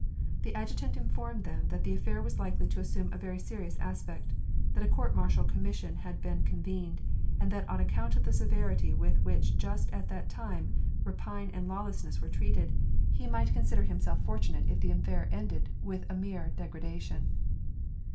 The adju tant informed them that the affair was likely to assume a very serious aspect, that a court martial commission had been con vened, and that on account of the severity with which just at that time rapine and lawlessness were treated, he might con 134 WAR AND PEACE. sider himself fortunate if the affair ended with mere degrada tion.